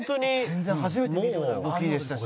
全然初めて見るような動きでしたし。